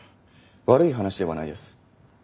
悪い話ではないです。